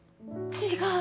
違う。